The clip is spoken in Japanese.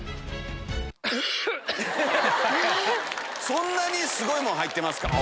そんなにすごいもん入ってますか？